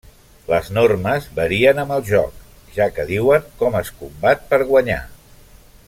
Les normes varien amb el joc, ja que diuen com es combat per guanyar.